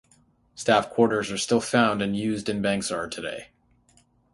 Staff quarters are still found and used in Bangsar today.